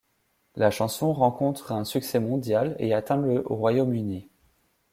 La chanson rencontre un succès mondial et atteint le au Royaume-Uni.